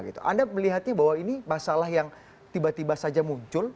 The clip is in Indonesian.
anda melihatnya bahwa ini masalah yang tiba tiba saja muncul